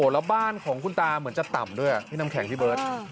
แล้วบ้านของคุณตาเหมือนจะต่ำด้วยพี่น้ำแข็งพี่เบิร์ต